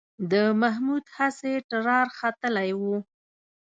د محمود هسې ټرار ختلی و